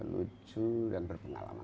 lucu dan berpengalaman